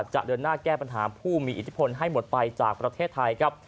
จะเดินหน้าแก้ปัญหาผู้มีอิทธิพลให้หมดไปจากประเทศไทยครับ